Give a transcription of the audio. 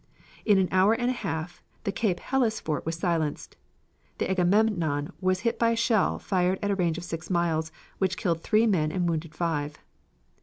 In an hour and a half the Cape Helles fort was silenced. The Agamemnon was hit by a shell fired at a range of six miles, which killed three men and wounded five.